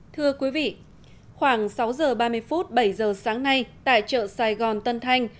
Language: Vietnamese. thưa quý vị khoảng sáu h ba mươi phút bảy h sáng nay tại chợ sài gòn tân thanh